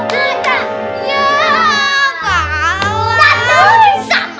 betap betap betap